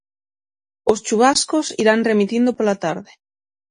Os chuvascos irán remitindo pola tarde.